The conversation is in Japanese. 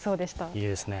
いいですね。